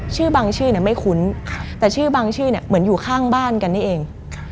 ชื่อบางชื่อเนี่ยไม่คุ้นแต่ชื่อบางชื่อเนี่ยเหมือนอยู่ข้างบ้านกันนี่เอง